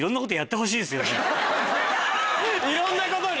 いろんなことに。